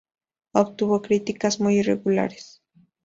Obtuvo críticas muy irregulares.